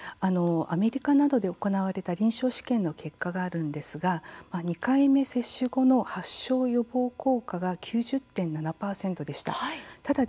アメリカなどで行われた臨床試験の結果があるんですが２回目接種後の発症予防効果が９０．７％でした。